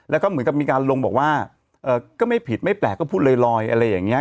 แล้วก็เหมือนกับมีการลงบอกว่าก็ไม่ผิดไม่แปลกก็พูดลอยอะไรอย่างนี้